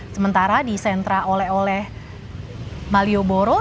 sementara di sentra oleh oleh malioboro